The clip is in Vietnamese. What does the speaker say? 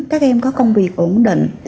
các em có công việc ổn định